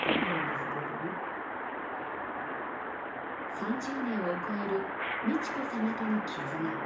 ３０年を超える美智子さまとの絆。